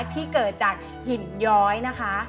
ที่เกิดจากหินย้อยนะคะ